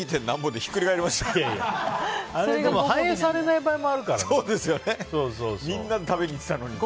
でも、反映されない場合がありますからね。